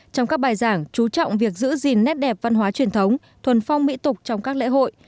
trong các bài giảng chú trọng việc giữ gìn nét đẹp văn hóa truyền thống thuần phong mỹ tục trong các lễ hội